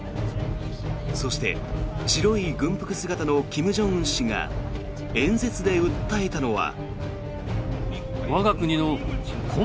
そして、白い軍服姿の金正恩総書記が演説で訴えたのは。